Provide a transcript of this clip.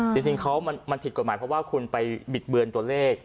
จริงเขามันผิดกฎหมายเพราะว่าคุณไปบิดเบือนตัวเลข